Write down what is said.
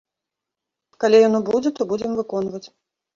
Калі яно будзе, то будзем выконваць.